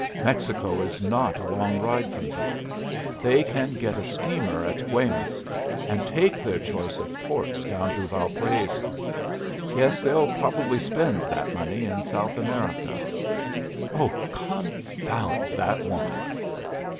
Mexico is not a long ride from here. They can get a steamer at Guaymas and take their choice of ports down to Valparaiso. Yes, they'll probably spend that money in South America. Oh, confound that woman!"